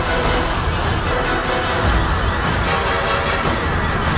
ampun ampun tuan tuan jangan mengusahakan saya tuan